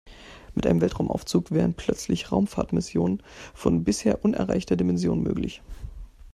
Mit einem Weltraumaufzug wären plötzlich Raumfahrtmissionen von bisher unerreichter Dimension möglich.